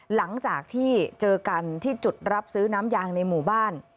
หลังจากที่เจอกันที่จุดรับซื้อน้ำยางในหมู่บ้าน